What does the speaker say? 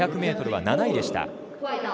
５００ｍは７位でした。